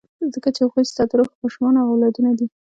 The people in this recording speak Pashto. ځکه چې هغوی ستا د روح ماشومان او اولادونه دي.